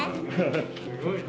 すごいね。